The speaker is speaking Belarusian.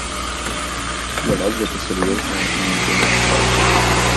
Для вас гэта сур'ёзная іміджавая страта.